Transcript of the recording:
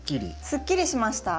すっきりしました。